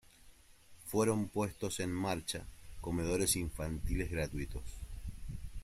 Fueron puestos en marcha comedores infantiles gratuitos.